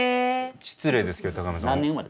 失礼ですけど高山さんは。